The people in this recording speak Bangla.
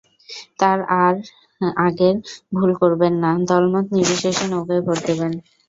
তাঁরা আর আগের ভুল করবেন না, দলমত নির্বিশেষে নৌকায় ভোট দেবেন।